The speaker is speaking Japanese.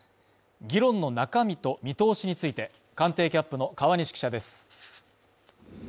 議論の中身と見通しについて、官邸キャップの川西記者です。